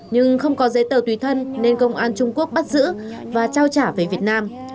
nhưng không có giấy tờ tùy thân nên công an trung quốc bắt giữ và trao trả về việt nam